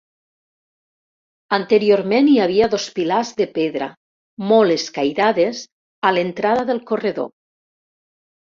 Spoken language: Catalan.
Anteriorment hi havia dos pilars de pedra, molt escairades, a l'entrada del corredor.